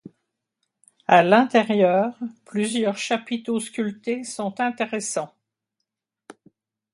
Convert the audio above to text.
À l'intérieur, plusieurs chapiteaux sculptés sont intéressants.